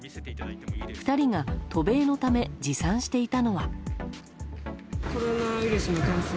２人が渡米のため持参していたのは。